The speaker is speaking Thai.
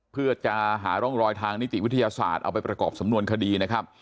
เพื่อจะหาร่องรอยทางนิติวิทยาศาสตร์เอาไปประกอบสำนวนคดีนะครับ